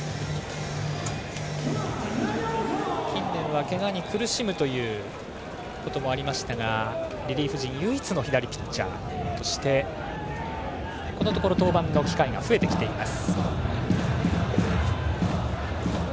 近年は、けがに苦しむということもありましたがリリーフ陣唯一の左ピッチャーとしてこのところ登板の機会が増えてきています。